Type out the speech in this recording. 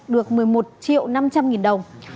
được một mươi một triệu năm trăm linh nghìn đồng